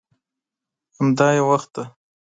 همدا یې وخت دی.